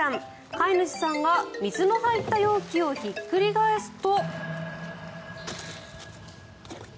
飼い主さんが水の入った容器をひっくり返すと。